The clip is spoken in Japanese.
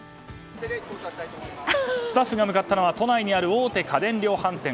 スタッフが向かったのは都内にある大手家電量販店。